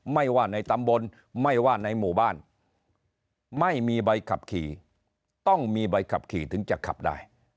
ไม่ว่าในตำบลไม่ว่าในหมู่บ้านไม่มีใบขับขี่ต้องมีใบขับขี่ถึงจะขับได้